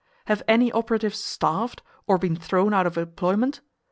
Have any operatives starved, or been thrown out of employment?